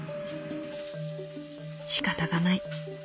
「しかたがない。